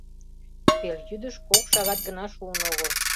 — Пелйӱдыш кок шагат гына шуын огыл.